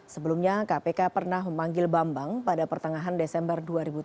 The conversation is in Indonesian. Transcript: sebelumnya kpk pernah memanggil bambang pada pertengahan desember dua ribu tujuh belas